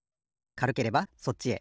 かるければそっちへ。